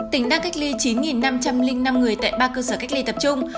tỉnh đang cách ly chín năm trăm linh năm người tại ba cơ sở cách ly tập trung